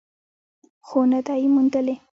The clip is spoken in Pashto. خو نه ده یې موندلې.